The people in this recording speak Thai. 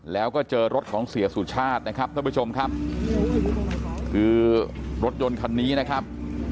แล้วก็เจอรถของเสียสุชาตินะครับท่านผู้ชมครับคือรถยนต์คันนี้นะครับ